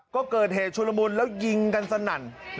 ก็เกิดเหตุชุลมุนแล้วยิงกันสนั่น